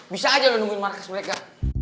bisa aja udah nungguin markas mereka